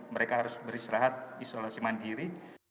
mereka harus beristirahat isolasi mandiri